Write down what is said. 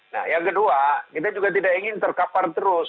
nah yang kedua kita juga tidak ingin terkapar terus